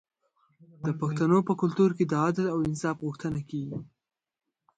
د پښتنو په کلتور کې د عدل او انصاف غوښتنه کیږي.